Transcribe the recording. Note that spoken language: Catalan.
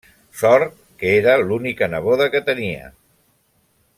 Sort que era l’única neboda que tenia.